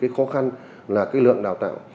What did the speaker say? cái khó khăn là cái lượng đào tạo